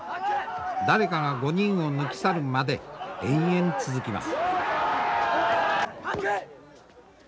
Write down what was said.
誰かが５人を抜き去るまで延々続きます。